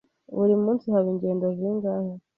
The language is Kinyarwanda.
Buri munsi haba ingendo zingahe?